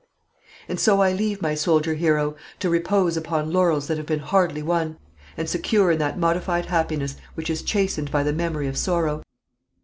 And so I leave my soldier hero, to repose upon laurels that have been hardly won, and secure in that modified happiness which is chastened by the memory of sorrow.